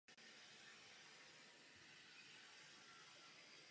Burns se nakonec rozhodne je ponechat na životě a všechna je náležitě odkoupit.